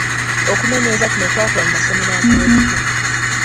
Okunoonyereza kuno kwa kolebwa mu masomero agawerako.